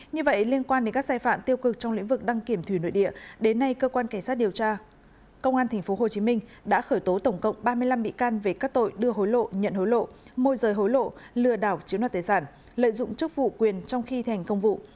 như vậy liên quan đến các sai phạm tiêu cực trong lĩnh vực đăng kiểm thủy nội địa đến nay cơ quan cảnh sát điều tra công an tp hcm đã khởi tố tổng cộng ba mươi năm bị can về các tội đưa hối lộ nhận hối lộ môi rời hối lộ lừa đảo chiếm đoạt tài sản lợi dụng chức vụ quyền trong khi thành công vụ